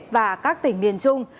và các tỉnh miền trung